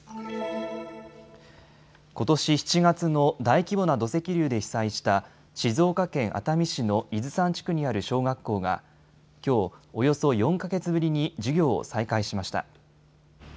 ことし７月の大規模な土石流で被災した静岡県熱海市の伊豆山地区にある小学校がきょう、およそ４か月ぶりに授業を再開しました。